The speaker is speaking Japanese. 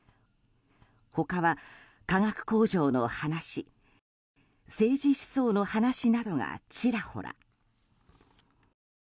他は化学工場の話政治思想の話などがちらほら。